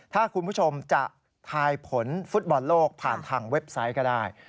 ถ้าคุณผู้ชมจะทายผลฟุตบอลโลกผ่านทางเว็บไซต์ก็ได้